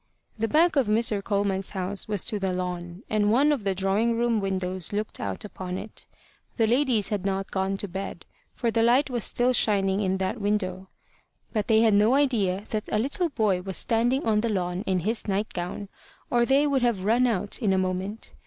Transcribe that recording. The back of Mr. Coleman's house was to the lawn, and one of the drawing room windows looked out upon it. The ladies had not gone to bed; for the light was still shining in that window. But they had no idea that a little boy was standing on the lawn in his night gown, or they would have run out in a moment.